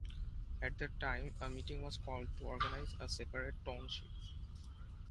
At that time a meeting was called to organize a separate township.